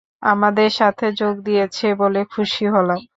আমাদের সাথে যোগ দিয়েছ বলে খুশি হলাম।